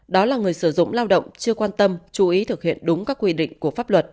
đó là người sử dụng lao động chưa quan tâm chú ý thực hiện đúng các quy định của pháp luật